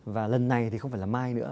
và lần này thì không phải là mai nữa